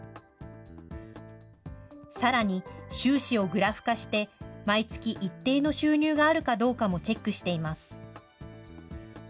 さらに収支をグラフ化して、毎月一定の収入があるかどうかもチェックしています。